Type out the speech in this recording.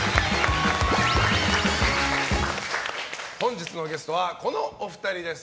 本日のゲストはこのお二人です。